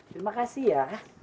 terima kasih ya